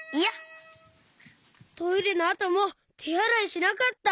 トイレのあともてあらいしなかった。